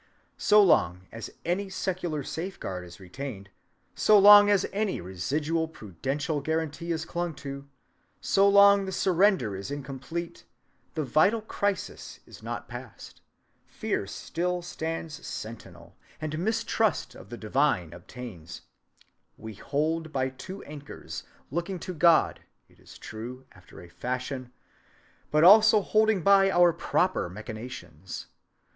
So long as any secular safeguard is retained, so long as any residual prudential guarantee is clung to, so long the surrender is incomplete, the vital crisis is not passed, fear still stands sentinel, and mistrust of the divine obtains: we hold by two anchors, looking to God, it is true, after a fashion, but also holding by our proper machinations.